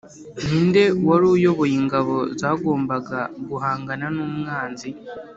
ninde wari uyoboye ingabo zagombaga guhangana n'umwanzi?